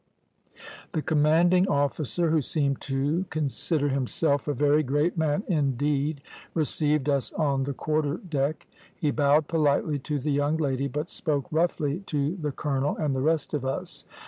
"The commanding officer, who seemed to consider himself a very great man indeed, received us on the quarter deck. He bowed politely to the young lady, but spoke roughly to the colonel and the rest of us.